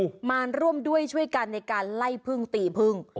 มาร่วมด้วยช่วยกันในการไล่พึ่งตีพึ่ง